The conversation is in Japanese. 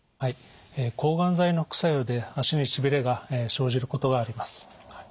抗がん剤の副作用で足にしびれが生じることがあります。